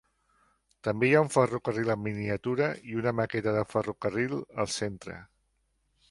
També hi ha un ferrocarril en miniatura i una maqueta de ferrocarril al Centre.